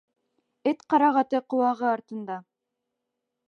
Эт ҡарағаты ҡыуағы артында.